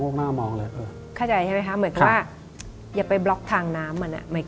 เข้าใจใช่ไหมคะหมายความว่าอย่าไปบล๊อกทางน้ำมัน